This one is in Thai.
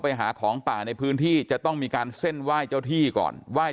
ไปหาของป่าในพื้นที่จะต้องมีการเส้นไหว้เจ้าที่ก่อนไหว้